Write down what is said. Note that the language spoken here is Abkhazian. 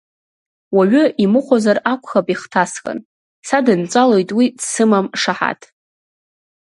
Уаҩы имыхәозар акәхап ихҭаскын, садынҵәалоит уи дсымам шаҳаҭ.